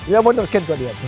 ya mau terken kok dia